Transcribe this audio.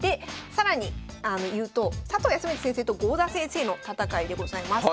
更に言うと佐藤康光先生と郷田先生の戦いでございます。